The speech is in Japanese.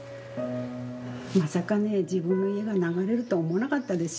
まさかね、自分の家が流れるとは思わなかったですよ。